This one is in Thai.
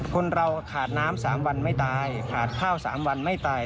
คนเราขาดน้ำ๓วันไม่ตายขาดข้าว๓วันไม่ตาย